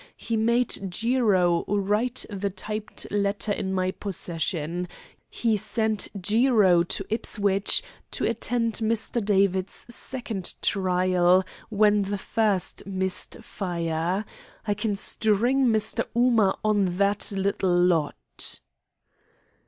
He made Jiro write the typed letter in my possession. He sent Jiro to Ipswich to attend Mr. David's second trial when the first missed fire. I can string Mr. Ooma on that little lot."